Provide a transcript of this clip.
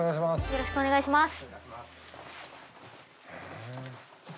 よろしくお願いします。